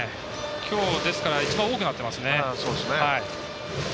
きょう、ですから一番多くなっていますね。